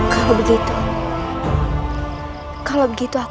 kalau begitu aku akan berjaya untuk mencari nyawa saya